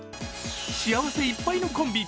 幸せいっぱいのコンビ。